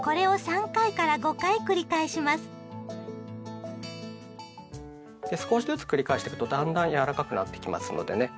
これをで少しずつ繰り返していくとだんだん柔らかくなっていきますのでね。